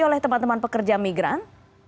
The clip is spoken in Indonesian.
oleh teman teman pekerja migran